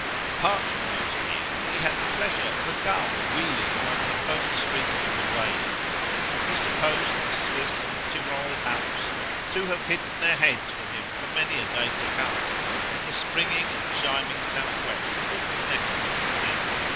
Apart from those fears, he had the pleasure of a gull wheeling among foam streaks of the wave. He supposed the Swiss and Tyrol Alps to have hidden their heads from him for many a day to come, and the springing and chiming South west was the next best thing.